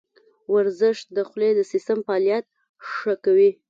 ورزش د خولې د سیستم فعالیت ښه کوي.